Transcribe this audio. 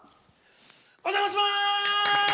お邪魔します！